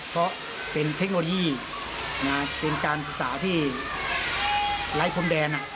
เพราะเป็นเทคโนโลยีเป็นการศึกษาที่ไร้พรมแดน